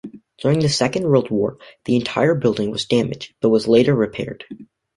During the Second World War, the entire building was damaged but was later repaired.